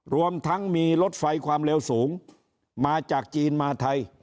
รวมทั้งมีรถไฟความเร็วสูงมาจากจีนมาไทย